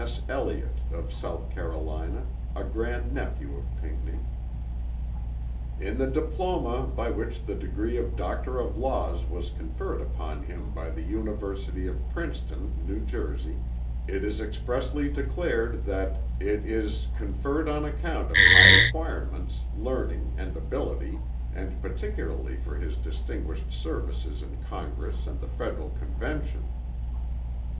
S. Elliott, of South Carolina, a grand nephew of Pinckney: "In the diploma, by which the degree of Doctor of Laws was conferred upon him by the University of Princeton, New Jersey, it is expressly declared, that it 'is conferred on account of high acquirements, learning and ability, and particularly for his distinguished services in Congress and the Federal Convention.'